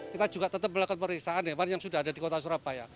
kita juga tetap melakukan pemeriksaan hewan yang sudah ada di kota surabaya